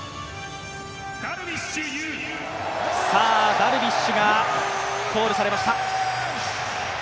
ダルビッシュがコールされました。